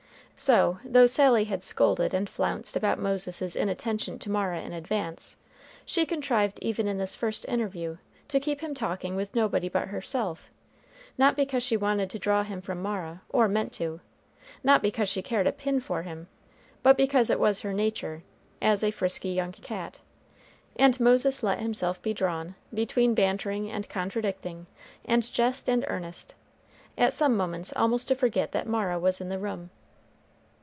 So, though Sally had scolded and flounced about Moses's inattention to Mara in advance, she contrived even in this first interview to keep him talking with nobody but herself; not because she wanted to draw him from Mara, or meant to; not because she cared a pin for him; but because it was her nature, as a frisky young cat. And Moses let himself be drawn, between bantering and contradicting, and jest and earnest, at some moments almost to forget that Mara was in the room.